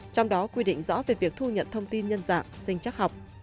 trong đó quy định rõ về việc thu nhận thông tin nhân dạng sinh chắc học